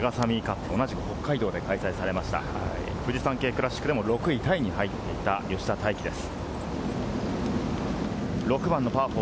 今シーズンは最高５位タイ、セガサミーカップ、同じく北海道で開催されました、フジサンケイクラシックでも６位タイに入っていた吉田泰基です。